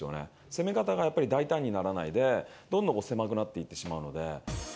攻め方がやっぱり大胆にならないで、どんどん狭くなっていってしまうので。